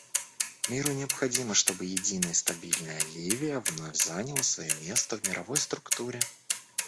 Миру необходимо, чтобы единая и стабильная Ливия вновь заняла свое место в мировой структуре.